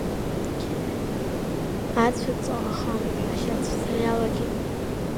Ацәа ҵаӷахан ашьа ацәцара иалагеит.